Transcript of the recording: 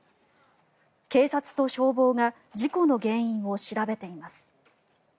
警察と消防が事故の原因を調べています。